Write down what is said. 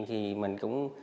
thì mình cũng